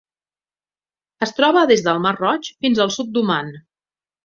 Es troba des del Mar Roig fins al sud d'Oman.